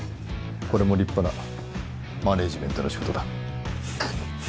これも立派なマネジメントの仕事だ